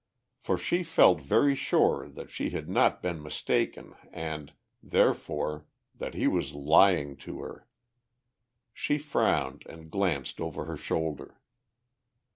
For she felt very sure that she had not been mistaken and, therefore, that he was lying to her. She frowned and glanced over her shoulder.